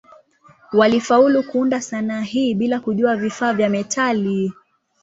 Walifaulu kuunda sanaa hii bila kujua vifaa vya metali.